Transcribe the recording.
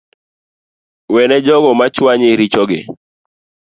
Wene jogo machuanyi richogi